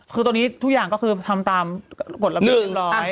คือตอนนี้ทุกอย่างก็คือทำตามกฎระเบียบเรียบร้อย